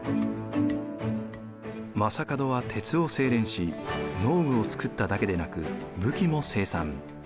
将門は鉄を精錬し農具を作っただけでなく武器も生産。